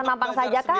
kawasan mampang saja kah